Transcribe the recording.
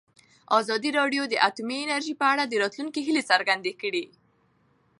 ازادي راډیو د اټومي انرژي په اړه د راتلونکي هیلې څرګندې کړې.